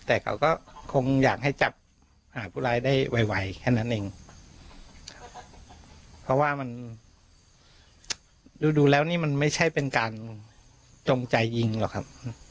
แต่เขาก็คงอยากให้จับหาผู้ร้ายได้ไวแค่นั้นเองเพราะว่ามันดูแล้วนี่มันไม่ใช่เป็นการจงใจยิงหรอกครับ